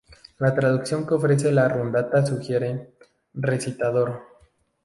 La traducción que ofrece la Rundata sugiere "recitador".